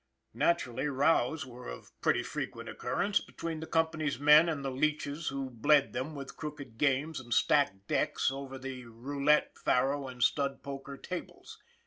Naturally, rows were of pretty frequent occurrence between the company's men and the leeches who bleed them with crooked games and stacked decks over the roulette, faro and stud poker tables.